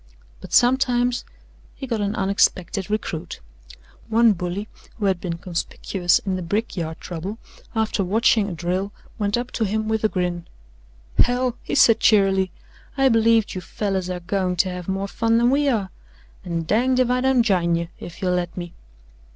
But sometimes he got an unexpected recruit. One bully, who had been conspicuous in the brickyard trouble, after watching a drill went up to him with a grin: "Hell," he said cheerily, "I believe you fellers air goin' to have more fun than we air, an' danged if I don't jine you, if you'll let me."